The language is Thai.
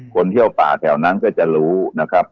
เที่ยวป่าแถวนั้นก็จะรู้นะครับ